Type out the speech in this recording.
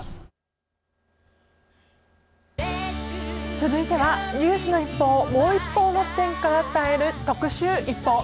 続いては、ニュースの一報をもう一方の視点から伝える特集ＩＰＰＯＵ。